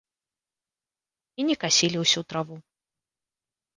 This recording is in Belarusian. І не касілі ўсю траву.